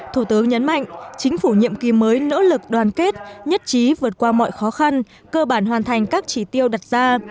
thủ tướng nhấn mạnh chính phủ nhiệm kỳ mới nỗ lực đoàn kết nhất trí vượt qua mọi khó khăn cơ bản hoàn thành các chỉ tiêu đặt ra